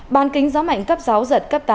bàn kính gió mạnh cấp sáu giật cấp tám